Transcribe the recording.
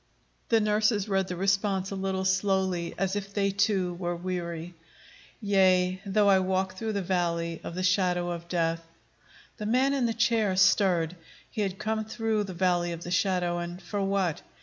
The nurses read the response a little slowly, as if they, too, were weary. "Yea, though I walk through the valley of the shadow of death " The man in the chair stirred. He had come through the valley of the shadow, and for what?